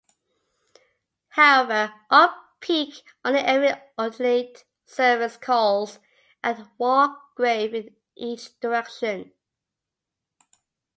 However, off-peak, only every alternate service calls at Wargrave in each direction.